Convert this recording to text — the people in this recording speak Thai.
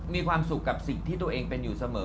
มีความสุขกับสิ่งที่ตัวเองเป็นอยู่เสมอ